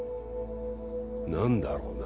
何だろうな